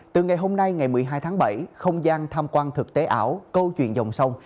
từ ngày hôm nay ngày một mươi hai tháng bảy không gian tham quan thực tế ảo câu chuyện dòng sông